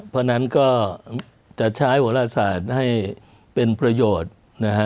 เพราะฉะนั้นก็จะใช้โหลศาสตร์ให้เป็นประโยชน์นะฮะ